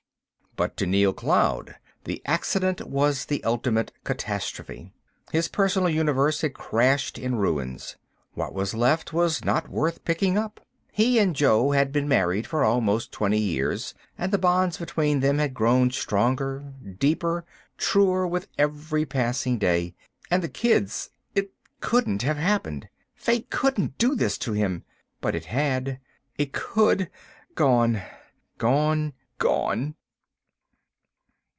But to Neal Cloud the accident was the ultimate catastrophe. His personal universe had crashed in ruins; what was left was not worth picking up. He and Jo had been married for almost twenty years and the bonds between them had grown stronger, deeper, truer with every passing day. And the kids.... It couldn't have happened ... fate COULDN'T do this to him ... but it had ... it could. Gone ... gone ... GONE....